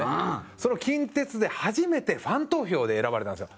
その近鉄で、初めてファン投票で選ばれたんですよ。